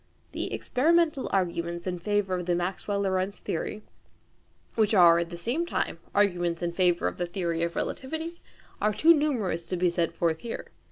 The experimental arguments in favour of the Maxwell Lorentz theory, which are at the same time arguments in favour of the theory of relativity, are too numerous to be set forth here.